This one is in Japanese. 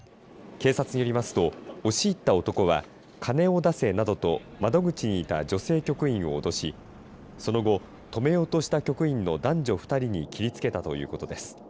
警察によりますと押し入った男は金を出せなどと窓口にいた女性局員を脅しその後、止めようとした局員の男女２人に切りつけたということです。